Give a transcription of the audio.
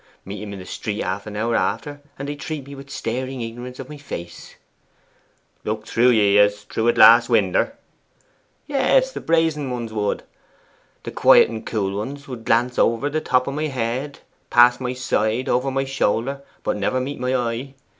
Meet 'em in the street half an hour after, and they'd treat me with staring ignorance of my face.' 'Look through ye as through a glass winder?' 'Yes, the brazen ones would. The quiet and cool ones would glance over the top of my head, past my side, over my shoulder, but never meet my eye.